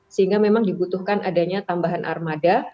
sehingga memang dibutuhkan adanya tambahan armada